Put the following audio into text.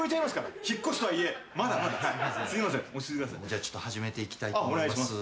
じゃあちょっと始めていきたいと思います。